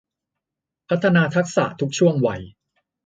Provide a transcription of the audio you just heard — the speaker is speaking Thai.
พัฒนาทักษะทุกช่วงวัย